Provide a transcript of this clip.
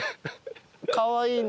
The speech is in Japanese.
かわいいな。